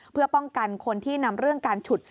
เพื่อป้องกันคนที่นำเรื่องการฉุด